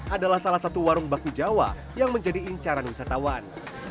adalah salah satu warung bakmi jawa yang menjadi incaran wisatawan